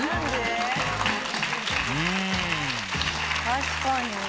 確かに。